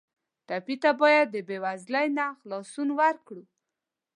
ټپي ته باید د بېوزلۍ نه خلاصون ورکړو.